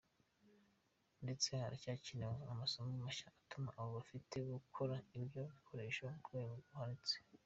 Ndetse haracyakenewe amasomo mashya atuma abo dufite bakora ibyo bikoresho ku rwego ruhanitse.